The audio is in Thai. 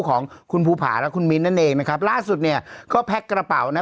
ของคุณภูผาและคุณมิ้นนั่นเองนะครับล่าสุดเนี่ยก็แพ็คกระเป๋านะ